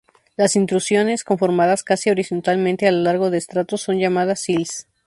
Las intrusiones conformadas casi horizontalmente a lo largo de estratos son llamadas sills.